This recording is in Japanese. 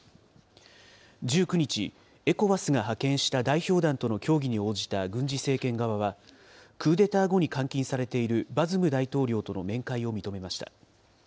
１９日、ＥＣＯＷＡＳが派遣した代表団との協議に応じた軍事政権側は、クーデター後に監禁されているバズム大統領との面会を認めました。